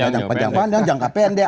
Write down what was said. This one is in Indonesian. jangka panjang jangka pendek